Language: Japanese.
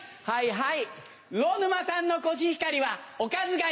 はいはい。